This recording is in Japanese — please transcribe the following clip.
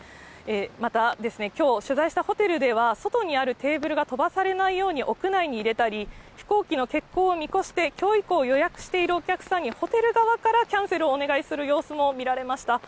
またですね、きょう取材したホテルでは外にあるテーブルが飛ばされないように屋内に入れたり、飛行機の欠航を見越して、きょう以降予約しているお客さんに、ホテル側からキャンセルをお願いする様子も見られました。